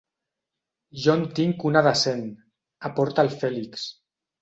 Jo en tinc una de cent —aporta el Fèlix.